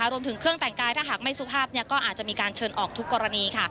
รวมถึงเครื่องแต่งกายถ้าหากไม่สุภาพก็อาจจะมีการเชิญออกทุกกรณี